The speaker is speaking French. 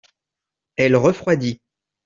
Elle refroidit.